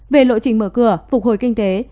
về lộ trình mở cửa phục hồi kinh tế